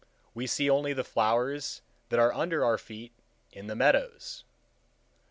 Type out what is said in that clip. We see only the flowers that are under our feet in the meadows.